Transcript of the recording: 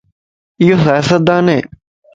ايو سياستدان ائي